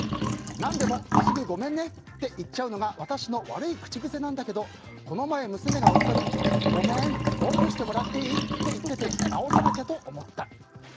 何でもすぐごめんねって言っちゃうのが私の悪い口癖なんだけどこの前、娘が夫にごめんおんぶしてもらっていい？と言ってて直さなきゃって思った。